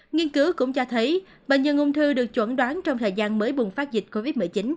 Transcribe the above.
nghiên cứu cũng cho thấy bệnh nhân ung thư được chuẩn đoán trong thời gian mới bùng phát dịch covid một mươi chín